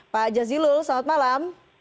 pak jazilul selamat malam